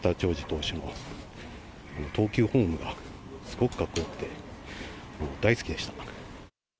投手の投球フォームがすごくかっこよくて、大好きでした。